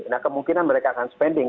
nah kemungkinan mereka akan spending